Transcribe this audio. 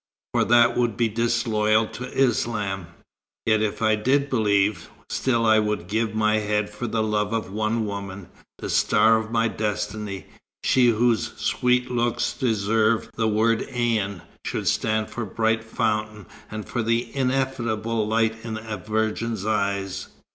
for that would be disloyal to Islam. Yet if I did believe, still would I give my head for the love of the one woman, the star of my destiny, she whose sweet look deserves that the word 'aïn' should stand for bright fountain, and for the ineffable light in a virgin's eyes."